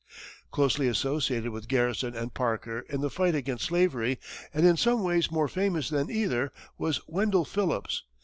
Closely associated with Garrison and Parker in the fight against slavery, and in some ways more famous than either, was Wendell Phillips.